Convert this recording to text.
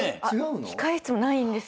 控室もないんですよ。